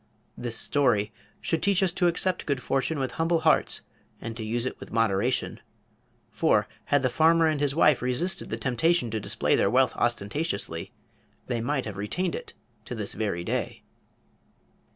This story should teach us to accept good fortune with humble hearts and to use it with moderation. For, had the farmer and his wife resisted the temptation to display their wealth ostentatiously, they might have retained it to this very day.